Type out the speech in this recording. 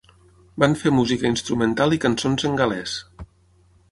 Van fer música instrumental i cançons en gal·lès.